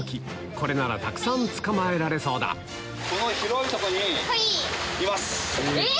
これならたくさん捕まえられそうだえっ